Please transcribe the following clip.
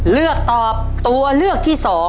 เลือกตอบตัวเลือกที่๒